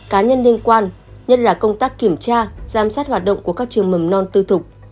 cá nhân liên quan nhất là công tác kiểm tra giám sát hoạt động của các trường mầm non tư thục